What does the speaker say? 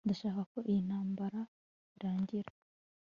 ndashaka ko iyi ntambara irangira